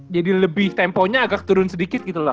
jadi lebih temponya agak turun sedikit gitu loh